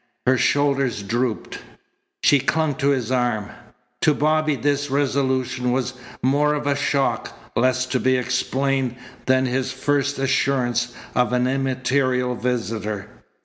Her shoulders drooped. She clung to his arm. To Bobby this resolution was more of a shock, less to be explained, than his first assurance of an immaterial visitor.